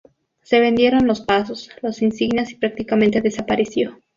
Se vendieron los pasos, las insignias y prácticamente desapareció.